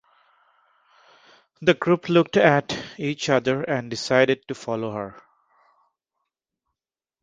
The group looked at each other, and decided to follow her.